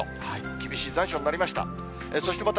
厳しい残暑になりました。